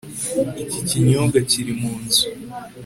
Iki kinyobwa kiri munzu